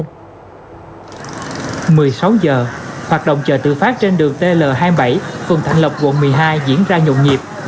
một mươi sáu h hoạt động chợ tự phát trên đường tl hai mươi bảy phần thành lập quận một mươi hai diễn ra nhộn nhịp